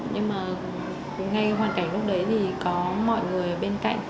nhưng mà ngay hoàn cảnh lúc đấy thì có mọi người bên cạnh